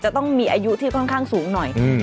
จะต้องมีอายุที่ค่อนข้างสูงหน่อย